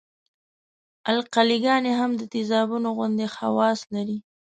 القلي ګانې هم د تیزابونو غوندې خواص لري.